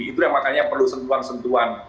itu yang makanya perlu sentuhan sentuhan